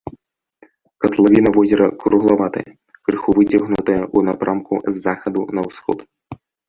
Катлавіна возера круглаватая, крыху выцягнутая ў напрамку з захаду на ўсход.